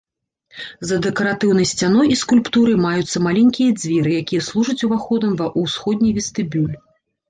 За дэкаратыўнай сцяной і скульптурай маюцца маленькія дзверы, якія служыць уваходам ва ўсходні вестыбюль.